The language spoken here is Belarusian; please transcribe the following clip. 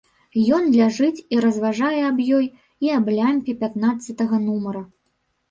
Ён ляжыць і разважае аб ёй і аб лямпе пятнаццатага нумара.